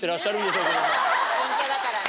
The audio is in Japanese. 陰キャだからね。